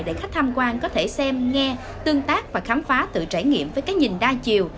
để khách tham quan có thể xem nghe tương tác và khám phá tự trải nghiệm với cái nhìn đa chiều